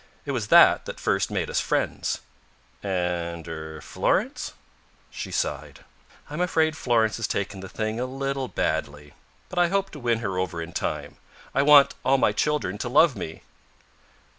It was that that first made us friends." "And er Florence?" She sighed. "I'm afraid Florence has taken the thing a little badly. But I hope to win her over in time. I want all my children to love me."